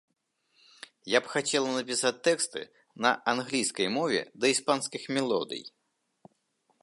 Я б хацела напісаць тэксты на англійскай мове да іспанскіх мелодый.